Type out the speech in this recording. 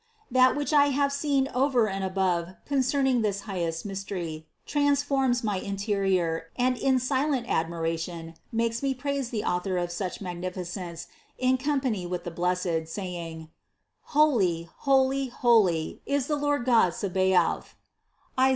That which I have seen over and above concerning this high est mystery, transforms my interior, and in silent admira tion makes me praise the Author of such magnificence in company with the blessed, saying: Holy, holy, holy, is the Lord God Sabaoth (Is.